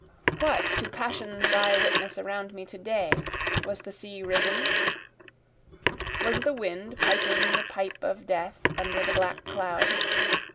What, to passions I witness around me to day? was the sea risen? Was the wind piping the pipe of death under the black clouds?